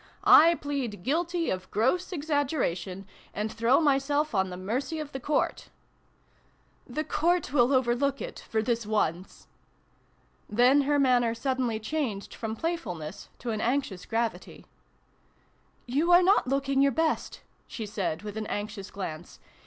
" I plead ' Guilty ' of gross exaggeration, and throw myself on the mercy of the Court !"" The Court will overlook it for this once !" Then her manner suddenly changed from playfulness to an anxious gravity. n] LOVE'S CURFEW. 25 " You are not looking your best !" she said with an anxious glance.